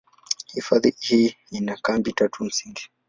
Hifadhi hii ina kambi tatu msingi.